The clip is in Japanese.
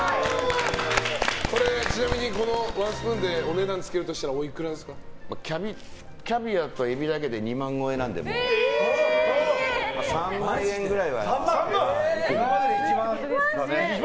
ちなみに、このワンスプーンでお値段つけるとしたらキャビアとエビだけで２万超えなので３万円ぐらいは、いくと思います。